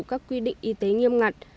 các quy định y tế nghiêm ngặt